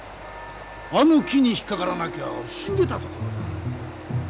あの木に引っ掛からなきゃ死んでたところだ。